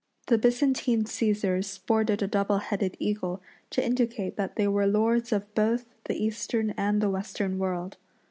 The Byzantine Caesars sported a double headed eagle to indicate that they were lords of both the Eastern and the Western world.